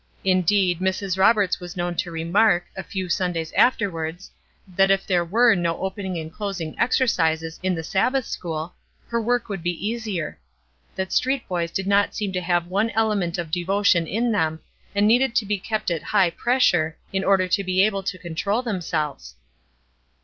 Indeed, Mrs. Roberts was known to remark, a few Sundays afterwards, that if there were no opening and closing exercises in the Sabbath school, her work would be easier; that street boys did not seem to have one element of devotion in them, and needed to be kept at high pressure, in order to be able to control themselves.